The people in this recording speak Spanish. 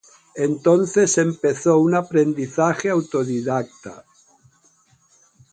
Entonces empezó un aprendizaje autodidacta.